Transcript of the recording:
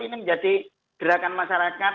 ini menjadi gerakan masyarakat